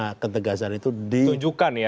bagaimana ketegasan itu ditunjukkan ya